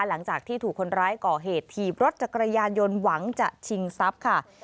หลังจากที่ถูกคนร้ายก่อเหตุถีบรถจักรยานยนต์หวังจะชิงทรัพย์ค่ะ